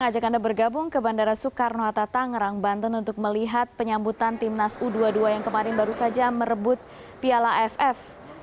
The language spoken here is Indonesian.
ngajak anda bergabung ke bandara soekarno hatta tangerang banten untuk melihat penyambutan tim nas u dua puluh dua yang kemarin baru saja merebut piala aff dua ribu sembilan belas